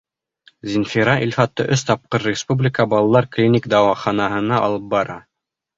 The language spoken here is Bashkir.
Зинфира Илфатты өс тапҡыр Республика балалар клиник дауаханаһына алып бара.